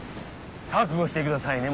覚悟してくださいね